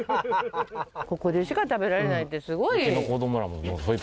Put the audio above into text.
ここでしか食べられないってすごい。